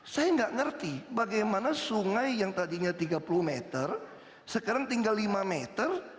saya nggak ngerti bagaimana sungai yang tadinya tiga puluh meter sekarang tinggal lima meter